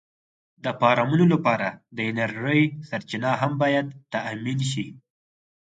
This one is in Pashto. د فارمونو لپاره د انرژۍ سرچینه هم باید تأمېن شي.